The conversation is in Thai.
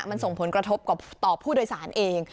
มันส่งผลกระทบต่อผู้โดยสารเอง